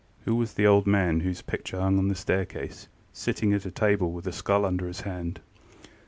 Who was the old man whose picture hung on the staircase, sitting at a table, with a skull under his hand?